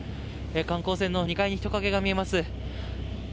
観光船の２階に人影が見えます。